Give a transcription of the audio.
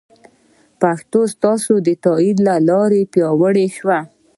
پښتو به ستاسو د تایید له لارې پیاوړې شي.